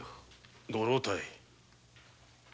ご老体？